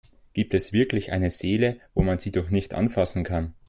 Gibt es wirklich eine Seele, wo man sie doch nicht anfassen kann?